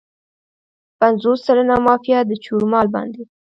پنځوس سلنه مافیا د چور مال باندې.